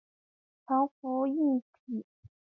长蝠硬蜱为硬蜱科硬蜱属下的一个种。